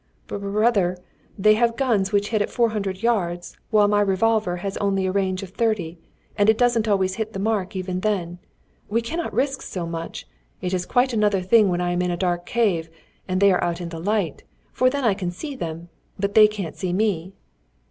"Br r other, they have guns which hit at four hundred yards, while my revolver has only a range of thirty, and it doesn't always hit the mark even then. We cannot risk so much. It is quite another thing when I am in the dark cave, and they are out in the light, for then I can see them, but they can't see me."